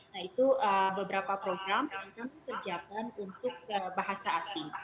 nah itu beberapa program yang kami kerjakan untuk bahasa asing